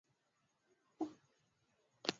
Mara nyingi hutokea punde baada ya msimu wa mvua